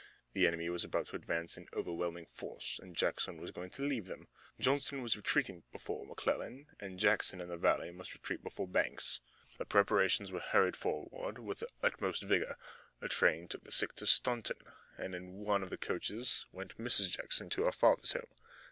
The enemy was about to advance in overwhelming force, and Jackson was going to leave them. Johnston was retreating before McClellan, and Jackson in the valley must retreat before Banks. There could be no doubt about the withdrawal of Jackson. The preparations were hurried forward with the utmost vigor. A train took the sick to Staunton, and in one of the coaches went Mrs. Jackson to her father's home.